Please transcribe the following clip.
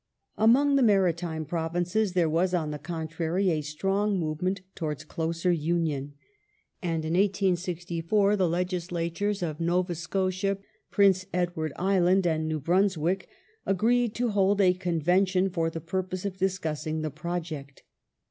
The Mari Among the Maritime Provinces there was, on the contrary, a strong movement towards closer union, and in 1864 the Legislatures of Nova Scotia, Prince Edward Island, and New Brunswick agi eed to hold a Convention for the' purpose of discussing the project.